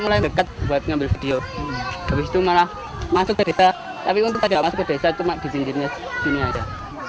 habis itu malah masuk ke desa tapi untuk tidak masuk ke desa cuma di sinirnya sini aja